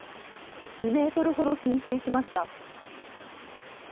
２メートルほど浸水しました。